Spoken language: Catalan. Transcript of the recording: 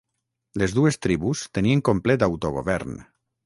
Les dues tribus tenien complet autogovern.